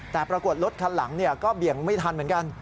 แต่ปรากฏรถคันหลังก็เบี่ยงไม่ทันเหมือนกัน